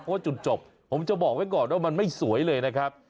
เพราะว่าจุดจบผมจะบอกไว้ก่อนว่ามันไม่สวยเลยนะครับ